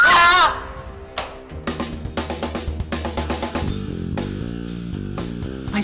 eh saya gak teriak